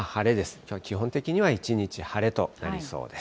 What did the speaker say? きょうは基本的には一日晴れとなりそうです。